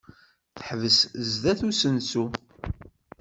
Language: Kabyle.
Teḥbes sdat usensu.